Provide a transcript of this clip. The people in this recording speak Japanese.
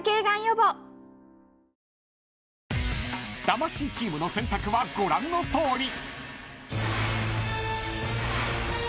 ［魂チームの選択はご覧のとおり］